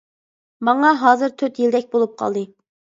ماڭا ھازىر تۆت يىلدەك بولۇپ قالدى.